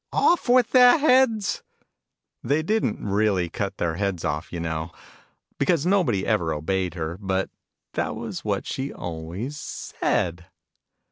" Off* with their heads !" They didn't really cut their heads off, you know : because nobody ever obeyed her : but that was what she always said.